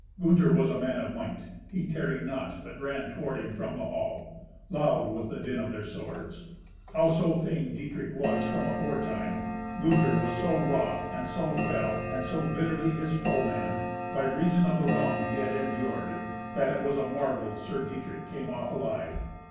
Gunther was a man of might. He tarried not, but ran toward him from the hall. Loud was the din of their swords. Howso famed Dietrich was from aforetime, Gunther was so wroth and so fell, and so bitterly his foeman, by reason of the wrong he had endured, that it was a marvel Sir Dietrich came off alive.